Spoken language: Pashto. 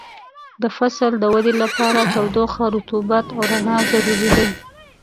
د فصل د ودې لپاره تودوخه، رطوبت او رڼا ضروري دي.